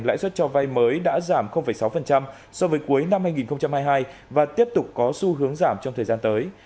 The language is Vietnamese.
lãi suất cho vay mới đã giảm sáu so với cuối năm hai nghìn hai mươi hai và tiếp tục có xu hướng giảm trong thời gian tới